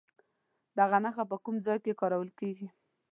دغه نښه په کوم ځای کې کارول کیږي؟